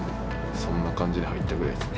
そんな感じで入ったぐらいですね。